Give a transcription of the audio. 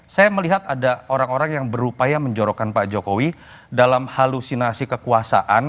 saya melihat ada orang orang yang berupaya menjorokkan pak jokowi dalam halusinasi kekuasaan